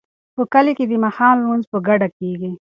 په کلي کې د ماښام لمونځ په ګډه کیږي.